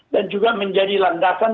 dan juga menjadi landasan